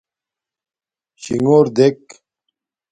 شِݣݸر دݵک.